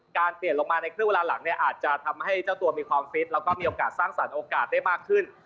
เปลี่ยนลงมาในครึ่งเวลาหลังเนี่ยอาจจะทำให้เจ้าตัวมีความฟิตแล้วก็มีโอกาสสร้างสรรคโอกาสได้มากขึ้น